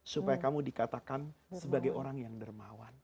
supaya kamu dikatakan sebagai orang yang dermawan